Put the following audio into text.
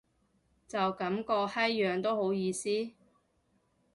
就噉個閪樣都好意思